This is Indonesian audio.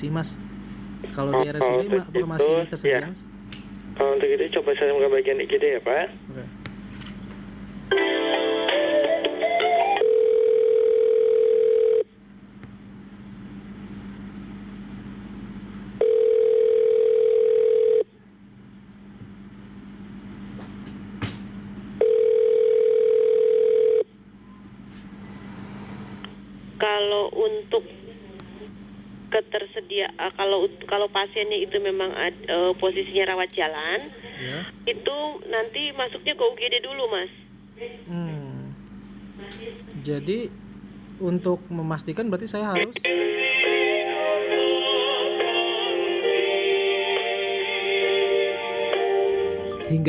beberapa dengan jawaban menggantung